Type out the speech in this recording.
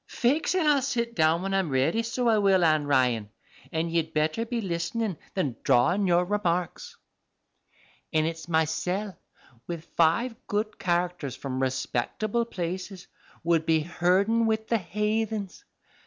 (faix, an' I'll sit down when I'm ready, so I will, Ann Ryan, an' ye'd better be list'nin' than drawin' your remarks), an' it's mysel', with five good characters from respectable places, would be herdin' wid the haythens.